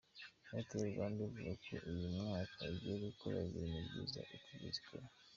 Airtel Rwanda ivuga ko uyu mwaka igiye gukora ibintu byiza itigeze ikora.